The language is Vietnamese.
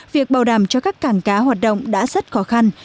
việc bảo đảm cho các cảng cá hoạt động đã rất khó khăn